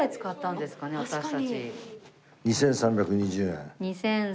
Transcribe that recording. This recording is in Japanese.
２３２０円。